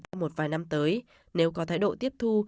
trong một vài năm tới nếu có thái độ tiếp thu